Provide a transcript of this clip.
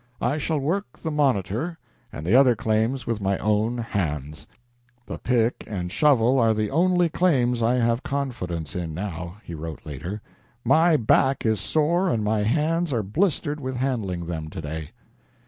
I shall work the "Monitor" and the other claims with my own hands. "The pick and shovel are the only claims I have confidence in now," he wrote, later; "my back is sore and my hands are blistered with handling them to day."